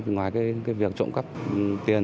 ngoài việc trộm cắp tiền